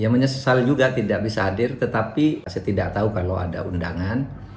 yang menyesal juga tidak bisa hadir tetapi saya tidak tahu kalau ada undangan